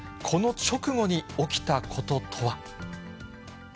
この直後に起きたこととは。